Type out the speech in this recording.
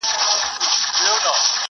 نه مي له شمعي سره شپه سوه، نه مېلې د ګلو؛